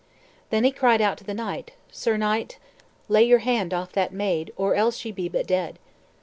Then he cried out to the knight, "Sir knight, lay your hand off that maid, or else ye be but dead."